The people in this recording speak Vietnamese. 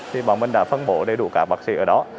thì bọn mình đã phân bổ đầy đủ các bác sĩ ở đó